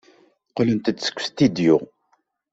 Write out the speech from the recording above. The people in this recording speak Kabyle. Qqlent-d seg ustidyu.